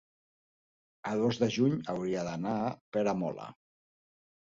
el dos de juny hauria d'anar a Peramola.